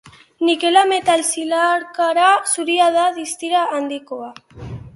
Nikela metal zilarkara zuria da, distira handikoa.